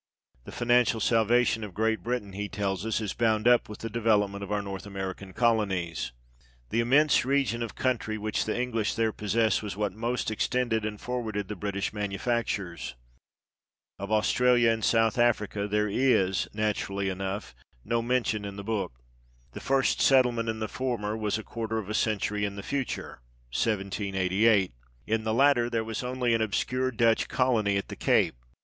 The financial salvation of Great Britain, he tells us, is bound up with the development of our North American colonies :" The immense region of country which the English there possess was what most extended and forwarded the British manufactures." Of Australia and South Africa there is, naturally enough, no mention in the book. The first settlement in the former was a quarter of a century in the future (1788) ; in the latter, there was only an obscure Dutch colony at the Cape.